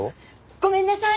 ごめんなさい！